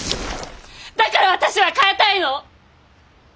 だから私は変えたいの！